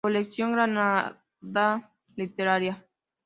Colección Granada Literaria.